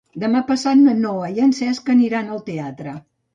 Demà passat na Noa i en Cesc aniran al teatre.